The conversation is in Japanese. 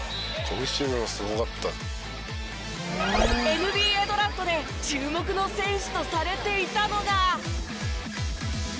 ＮＢＡドラフトで注目の選手とされていたのが。